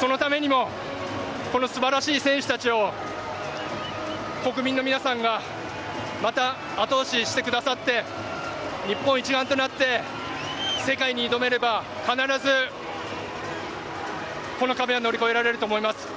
そのためにもこの素晴らしい選手たちを国民の皆さんがまた後押ししてくださって日本一丸となって世界に挑めれば必ずこの壁は乗り越えられると思います。